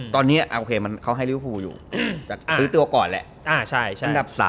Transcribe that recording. ตอนนี้อ่ะโอเคเขาให้ริวภูอยู่แต่ซื้อตัวก่อนแหละ